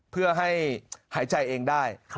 เพื่อให้หายใจเองได้